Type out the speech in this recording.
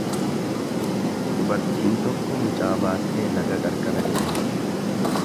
Dubartiin tokko mucaa baattee laga qarqara deemti.